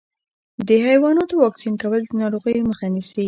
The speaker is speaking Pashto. د حیواناتو واکسین کول د ناروغیو مخه نیسي.